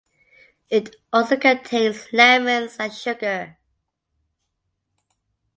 It also contains lemons and sugar.